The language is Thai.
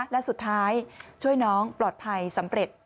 และสุดท้ายช่วยน้องปลอดภัยสำเร็จ